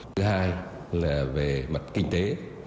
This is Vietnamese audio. thứ hai là về mặt kinh tế